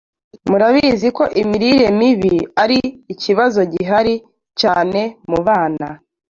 murabizi ko imirire mibi ari ikibazo gihari cyane mu bana